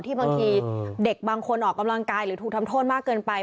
บางทีเด็กบางคนออกกำลังกายหรือถูกทำโทษมากเกินไป